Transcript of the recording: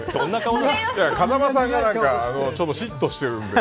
風間さんがしっとしてるんで。